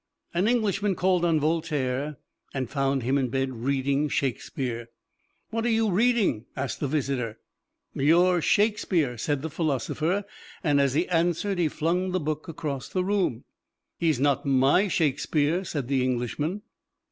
An Englishman called on Voltaire and found him in bed reading Shakespeare. "What are you reading?" asked the visitor. "Your Shakespeare!" said the philosopher; and as he answered he flung the book across the room. "He's not my Shakespeare," said the Englishman.